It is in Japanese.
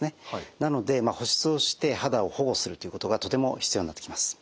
なので保湿をして肌を保護するということがとても必要になってきます。